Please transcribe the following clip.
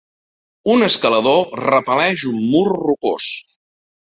Un escalador repel·leix un mur rocós.